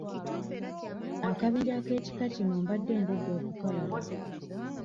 Akabenje ak'ekika kino mbadde ndudde okukalaba.